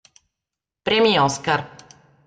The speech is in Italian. Premi Oscar